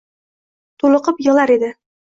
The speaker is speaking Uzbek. To`liqib yig`lar edi